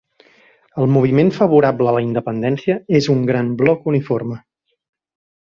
El moviment favorable a la independència és un gran bloc uniforme.